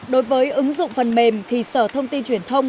đối với ứng dụng phần mềm thì sở thông tin truyền thông